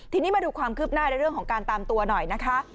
ทีนี้มาดูความคืบหน้าในเรื่องของการตามตัวหน่อยนะคะ